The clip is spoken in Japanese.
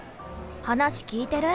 話聞いてる？